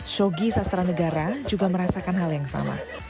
shogi sastranegara juga merasakan hal yang sama